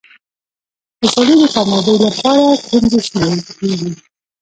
خوشالي د کامیابۍ لپاره کونجي شمېرل کېږي.